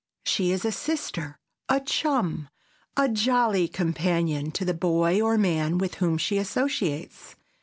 She is a sister, a chum, a jolly companion to the boy or man with whom she associates.